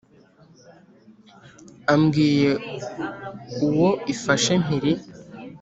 ambwiye uwo ifashe mpiri